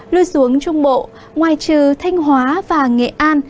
lưu xuống trung bộ ngoài trừ thanh hóa và nghệ an